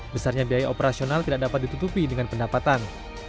besarnya biaya operasional tidak dapat ditutupi dengan pendapatan